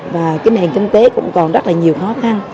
và cái nền kinh tế cũng còn rất là nhiều khó khăn